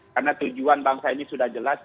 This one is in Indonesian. karena tujuan bangsa ini sudah jelas